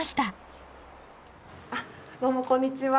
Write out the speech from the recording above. あどうもこんにちは。